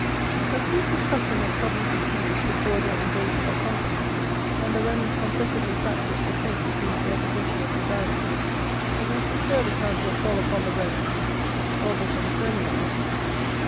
But since this custom was probably disused before their invasion or conquest, and the Romans confessedly practised the same since their possession of this island, the most assured account will fall upon the Romans, or Britons Romanized.